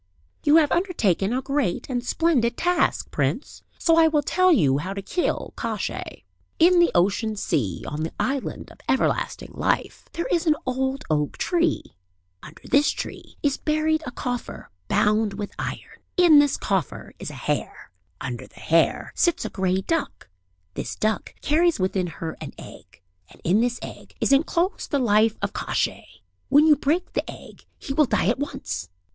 "You have undertaken a great and splendid task, prince; so I will tell you how to kill Kosciey. In the Ocean Sea, on the island of Everlasting Life, there is an old oak tree; under this tree is buried a coffer bound with iron; in this coffer is a hare; under the hare sits a grey duck; this duck carries within her an egg; and in this egg is enclosed the life of Kosciey. When you break the egg he will die at once.